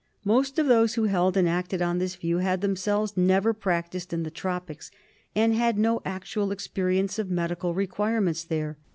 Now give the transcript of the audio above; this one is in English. Most of those who held and acted on this view had themselves never practised in the tropics and had no actual ex perience of medical requirements there.